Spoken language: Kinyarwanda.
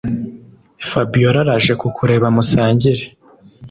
Fabiora araje kukureba musangire